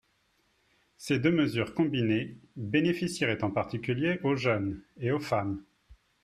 Ces deux mesures combinées bénéficieraient en particulier aux jeunes et aux femmes.